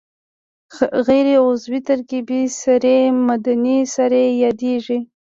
غیر عضوي ترکیبي سرې معدني سرې یادیږي.